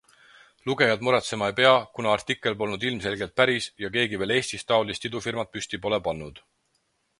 Lugejad muretsema ei pea, kuna artikkel polnud ilmselgelt päris ja keegi veel Eestist taolist idufirmat püsti pole pannud.